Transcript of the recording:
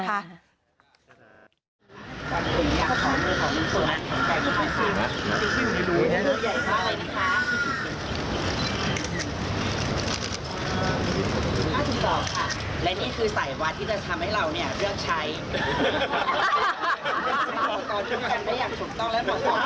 และนี่คือสายวัดที่จะทำให้เราเลือกใช้